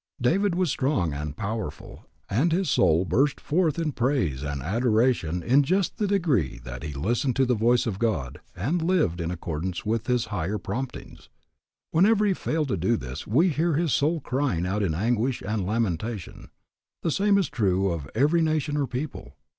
David was strong and powerful and his soul burst forth in praise and adoration in just the degree that he listened to the voice of God and lived in accordance with his higher promptings. Whenever he failed to do this we hear his soul crying out in anguish and lamentation. The same is true of every nation or people.